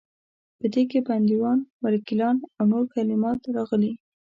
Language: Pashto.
په دې کې بندیوان، وکیلان او نور کلمات راغلي.